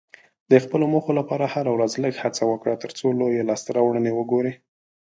د خپلو موخو لپاره هره ورځ لږه هڅه وکړه، ترڅو لویې لاسته راوړنې وګورې.